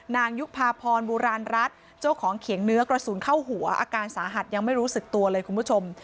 นางยุภาพรบุราณรัฐเจ้าของเขียงเนื้อกระสุนเข้าหัวอาการสาหัสยังไม่รู้สึกตัวเลยคุณผู้ชม